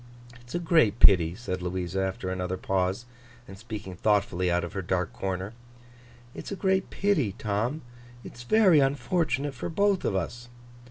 'It's a great pity,' said Louisa, after another pause, and speaking thoughtfully out of her dark corner: 'it's a great pity, Tom. It's very unfortunate for both of us.